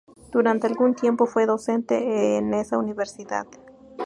Durante algún tiempo fue docente en esa Universidad.